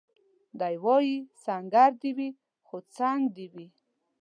دی وايي سنګر دي وي خو څنګ دي وي